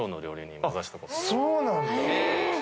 そうなんだ。